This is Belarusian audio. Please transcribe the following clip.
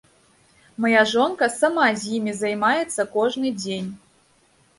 Мая жонка сама з імі займаецца кожны дзень.